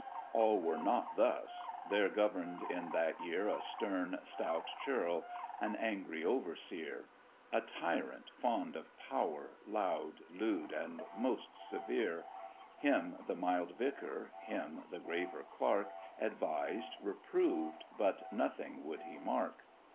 All were not thus there govern'd in that year A stern stout churl, an angry overseer; A tyrant fond of power, loud, lewd, and most severe: Him the mild vicar, him the graver clerk, Advised, reproved, but nothing would he mark.